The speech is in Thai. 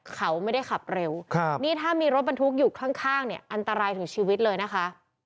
เขาไม่ได้ขับเร็วนี่ถ้ามีรถบรรทุกอยู่ข้างเนี่ยอันตรายถึงชีวิตเลยนะคะ